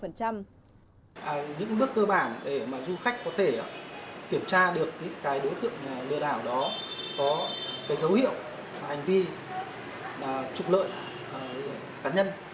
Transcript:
những bước cơ bản để mà du khách có thể kiểm tra được những cái đối tượng lừa đảo đó có cái dấu hiệu hành vi trục lợi cá nhân